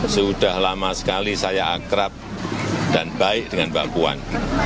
sudah lama sekali saya akrab dan baik dengan mbak puan